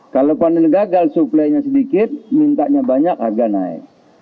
kalau panen gagal suplainya sedikit mintanya banyak harga naik